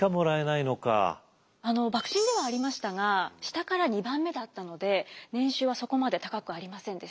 幕臣ではありましたが下から２番目だったので年収はそこまで高くありませんでした。